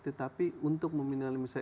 tetapi untuk meminimalisasi